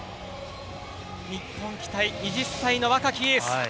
日本期待、２０歳の若きエース。